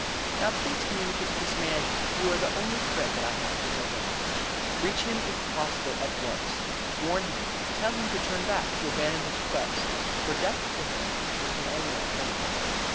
"Now please communicate with this man; you are the only thread that I have to his identity. "Reach him, if possible, at once. Warn him. Tell him to turn back to abandon his quest, for death to him is the only alternative.